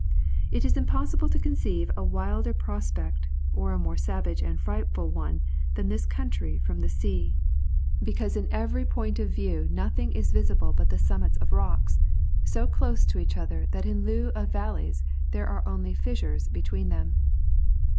It is impossible to conceive a wilder prospect, or a more savage and frightful one than this country from the sea, because from every point of view nothing is visible but the summits of rocks; so close to each other that in lieu of valleys there are only fissures between them.